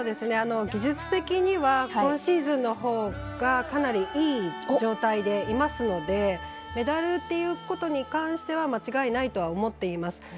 技術的には今シーズンのほうがかなりいい状態でいますのでメダルっていうことに関しては間違いないとは思っています。